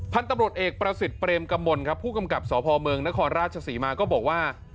พันธุ์ตำรวจเอกประสิทธิ์เปรมกมลครับผู้กำกับสพเมืองนครราชศรีมาก็บอกว่า